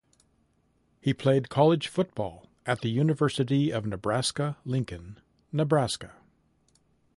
He played college football at the University of Nebraska–Lincoln (Nebraska).